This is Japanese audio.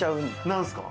何ですか？